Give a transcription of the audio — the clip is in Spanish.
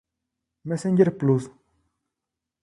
Messenger Plus!